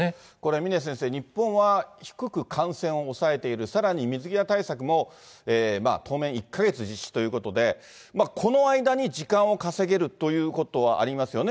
峰先生、日本は低く感染を抑えている、さらに水際対策も当面１か月実施ということで、この間に時間を稼げるということはありますよね。